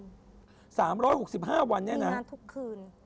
๓๖๕วันอย่างนั้นค่ะบุคคลมีงานทุกคืน